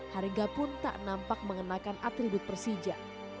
haringga pun tak nampak mengenakan atribut persija